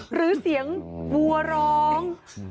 หรือเสียงวัวร้อง